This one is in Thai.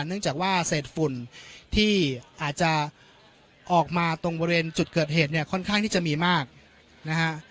เนื่องจากว่าเศษฝุ่นที่อาจจะออกมาตรงบริเวณจุดเกิดเหตุเนี่ยค่อนข้างที่จะมีมากนะฮะ